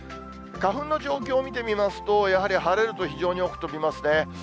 花粉の状況を見てみますと、やはり晴れると、非常に多く飛びますね。